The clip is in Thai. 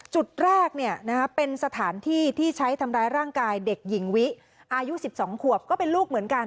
จุดแรกเป็นสถานที่ที่ใช้ทำร้ายร่างกายเด็กหญิงวิอายุ๑๒ขวบก็เป็นลูกเหมือนกัน